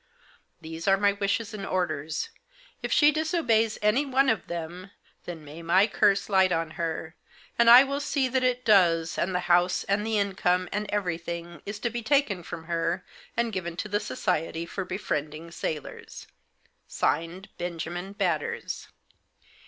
These are my wishes and orders. If she disobeys any one of them, then may my curse light on her, and I will see that it does, and the house, and the income, and everything, is to be taken from her, and given to the Society for Befriending Sailors. "< Signed, BENJAMIN BATTERS.'